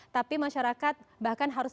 tapi masyarakat bahkan harus